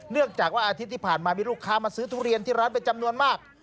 จากว่าอาทิตย์ที่ผ่านมามีลูกค้ามาซื้อทุเรียนที่ร้านเป็นจำนวนมาก